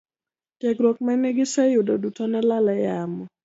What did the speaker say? Tiegruok mane giseyudo duto nolal e yamo.